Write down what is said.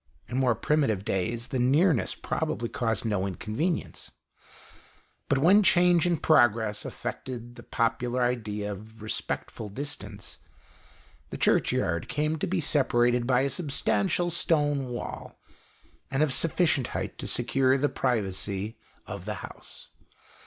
In more primitive days, the nearness probably caused no inconvenience; but when change and progress affected the popular idea of respectful distance, the Churchyard came to be separated by a substantial stone wall, of sufficient height to secure the privacy of the house.